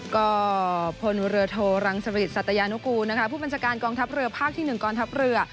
ก็พลเรือโทรังสริตสัตยานุกูลนะคะผู้บัญชาการกองทัพเรือภาคที่๑กองทัพเรือ